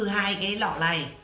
hai cái lọ lái